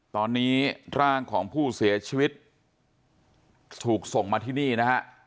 ตอนนี้ร่างของผู้เสียชีวิตถูกส่งมาที่นี่นะฮะ